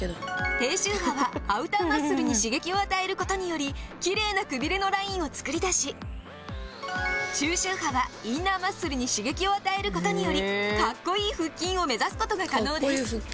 低周波はアウターマッスルに刺激を与える事によりきれいなくびれのラインを作り出し中周波はインナーマッスルに刺激を与える事によりかっこいい腹筋を目指す事が可能です。